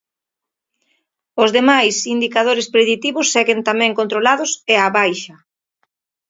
Os demais indicadores preditivos seguen tamén controlados e á baixa.